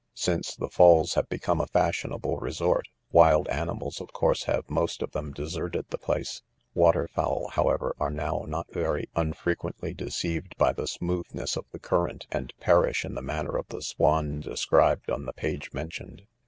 Since the falls have become a fashionable resort, wild animals, of course, have most of them deserted the place ; water fowl, however, axe now not very unfrequently de ceived by the smoothness of the current, and perish in the manner of the swan described on the page mentioned.